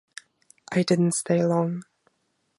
I didn't stay long.